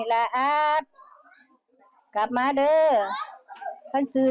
เพราะพี่ดิฐาวชมอ่างแก้ว